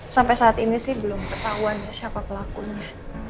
sampai saat ini sih belum ketahuan siapa pelakunya